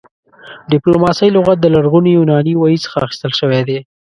ډيپلوماسۍ لغت د لرغوني يوناني ویي څخه اخيستل شوی دی